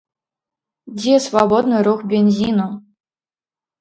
Дзе свабодны рух бензіну?